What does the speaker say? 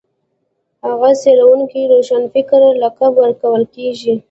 هغه څېړونکي روښانفکر لقب ورکول کېږي